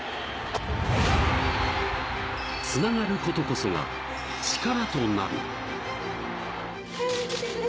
つながることこそが、力となる。